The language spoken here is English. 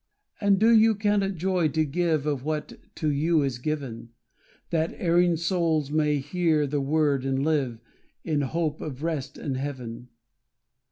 And do you count it joy to give Of what to you is given, That erring souls may hear the word, and live In hope of rest and heaven?